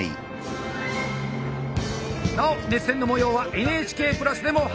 なお熱戦のもようは「ＮＨＫプラス」でも配信。